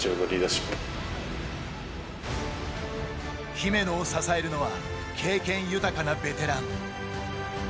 姫野を支えるのは経験豊かなベテラン。